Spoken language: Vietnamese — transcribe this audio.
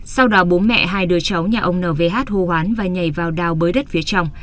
sau đó bố mẹ hai đứa cháu nhà ông n v h hô hoán và nhảy vào đào bới đất phía trong